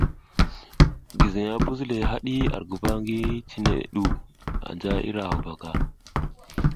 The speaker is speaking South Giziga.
Gizing a a pus le hadi ar guva ngi, cine du anja ira huvaka.